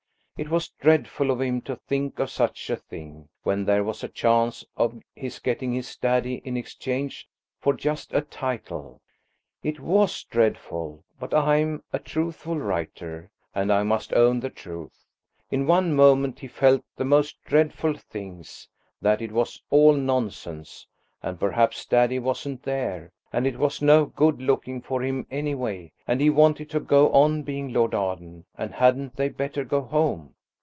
It was dreadful of him to think of such a thing, when there was a chance of his getting his daddy in exchange for just a title. It was dreadful; but I am a truthful writer, and I must own the truth. In one moment he felt the most dreadful things–that it was all nonsense, and perhaps daddy wasn't there, and it was no good looking for him any way, and he wanted to go on being Lord Arden, and hadn't they better go home.